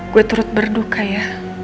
gue turut berduka ya